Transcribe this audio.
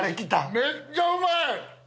めっちゃうまい！